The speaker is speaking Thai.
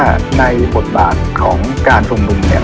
ว่าในผลบาทของการส่งฮุงเนี่ย